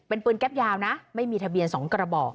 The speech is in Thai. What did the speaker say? เป็นปืนแก๊ปยาวนะไม่มีทะเบียน๒กระบอก